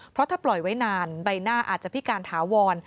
เพราะถ้าปล่อยไว้นานใบหน้าอาจจะพิการถาวร